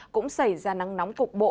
cũng xảy ra nắng nóng cục bộ